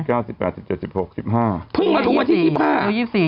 ๑๙๑๘๑๗๑๖๑๕เพิ่งมาถูกวันที่๒๕